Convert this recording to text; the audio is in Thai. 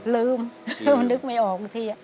ลืมนึกไม่ออกคุณพี่